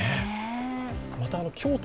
また京都